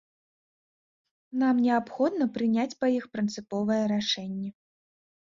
Нам неабходна прыняць па іх прынцыповае рашэнне.